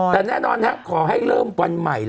แต่แน่นอนขอให้เริ่มวันใหม่